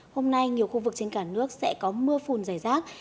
hôm nay nhiều khu vực trên cả nước sẽ có mưa phùn dài rác